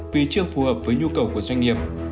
vì chưa phù hợp với nhu cầu của doanh nghiệp